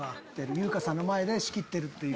優香さんの前で仕切ってるっていう。